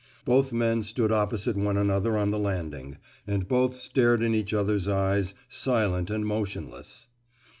Both men stood opposite one another on the landing, and both stared in each other's eyes, silent and motionless.